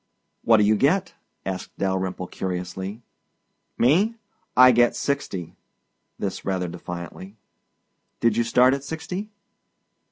"What do you get?" asked Dalyrimple curiously. "Me? I get sixty." This rather defiantly. "Did you start at sixty?"